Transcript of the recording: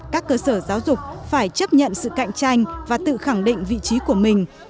các cơ sở giáo dục phải chấp nhận sự cạnh tranh và tự khẳng định vị trí của mình